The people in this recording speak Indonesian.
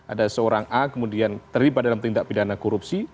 ada seorang a kemudian terlibat dalam tindak pidana korupsi